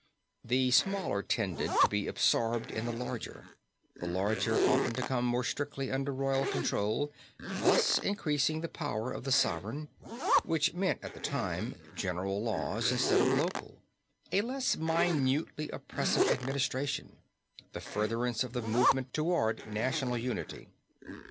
The smaller tended to be absorbed in the larger; the larger often to come more strictly under royal control, thus increasing the power of the sovereign which meant at the time, general laws, instead of local, a less minutely oppressive administration, the furtherance of the movement toward national unity.